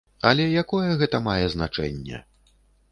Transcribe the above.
Але якое гэта мае значэнне?